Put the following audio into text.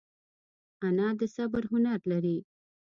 انا د صبر هنر لري